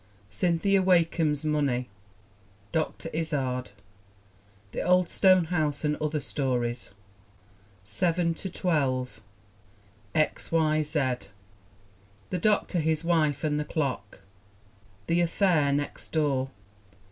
Cynthia Wakeham's Money. Dr. Izard. The Old Stone House and Other Stories. 7 to 12. X. Y. Z. The Doctor, His Wife and the Clock. That Affair Next Door.